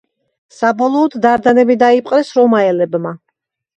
საბოლოოდ დარდანები დაიპყრეს რომაელებმა.